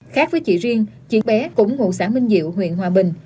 khác với chị riêng chị bé cũng ngụ xã minh diệu huyện hòa bình